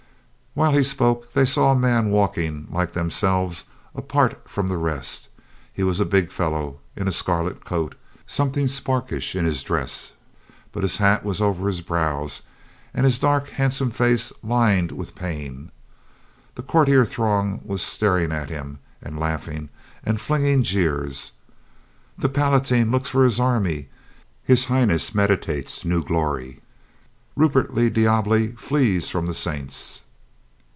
While he spoke they saw a man walking like themselves apart from the rest. He was a big fellow in a scarlet coat, something sparkish in his dress. But his hat was over his brows, and his dark, hand some face lined with pain. The courtier throng was staring at him and laughing, and flinging jeers, "The Palatine looks for his army! His Highness meditates new glory! Rupert le Diable flees from the Saints